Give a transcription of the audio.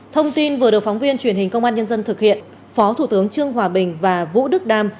thông tin vừa được phóng viên truyền hình công an nhân dân thực hiện phó thủ tướng trương hòa bình và vũ đức đam